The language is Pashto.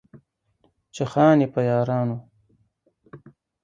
چې خان يې، په يارانو